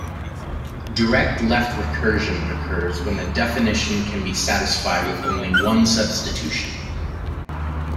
Direct left recursion occurs when the definition can be satisfied with only one substitution.